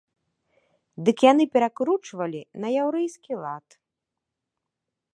Дык яны перакручвалі на яўрэйскі лад.